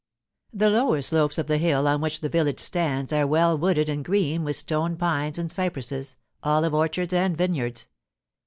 The lower slopes of the hill on which the village stands are well wooded and green with stone pines and cypresses, olive orchards and vineyards.